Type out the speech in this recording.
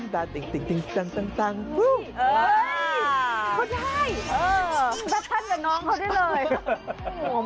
ทานกับน้องเขาด้วยเลย